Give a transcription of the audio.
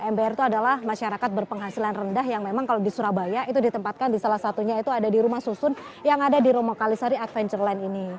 mbr itu adalah masyarakat berpenghasilan rendah yang memang kalau di surabaya itu ditempatkan di salah satunya itu ada di rumah susun yang ada di romo kalisari adventureland ini